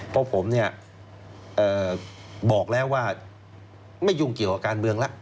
เพราะผมเนี่ยบอกแล้วว่าไม่ยุ่งเกี่ยวกับการเมืองแล้ว